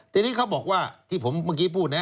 ทีนี้เขาบอกว่าที่ผมเมื่อกี้พูดนะ